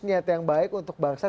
niat yang baik untuk bangsa